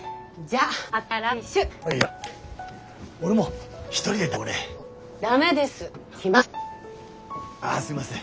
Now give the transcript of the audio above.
ああすいません。